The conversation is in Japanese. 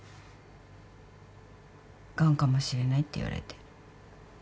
がんかもしれないって言われて。